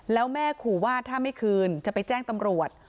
แล้วแม่ขู่ว่าถ้าไม่คืนจะไปแจ้งตำรวจ